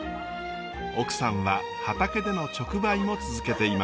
奥さんは畑での直売も続けています。